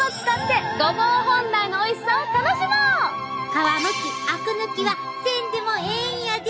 皮むきあく抜きはせんでもええんやで！